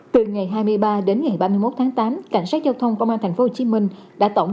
từ ngày hai mươi ba đến ngày ba mươi một tháng tám cảnh sát giao thông công an thành phố hồ chí minh đã tổng